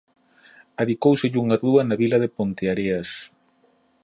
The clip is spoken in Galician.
Adicóuselle unha rúa na vila de Ponteareas.